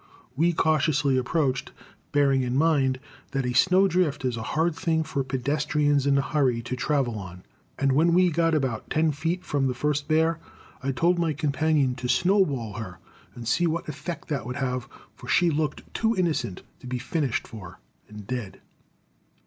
We cautiously approached, bearing in mind that a snow drift is a hard thing for pedestrians in a hurry to travel on, and when we got about ten feet from the first bear, I told my companion to snowball her and see what effect that would have, for she looked too innocent to be finished for and dead.